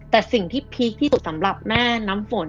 แต่สิ่งที่พีคที่สุดสำหรับแม่น้ำฝน